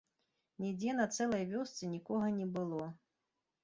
Нідзе на цэлай вёсцы нікога не было.